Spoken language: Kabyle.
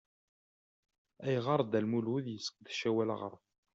Ayɣer Dda Lmulud yesseqdec awal aɣref?